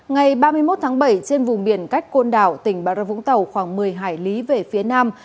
ngày ba mươi một tháng bảy trên vùng biển cách côn đảo tỉnh bà râu vũng tàu khoảng một mươi hải lý về phía nam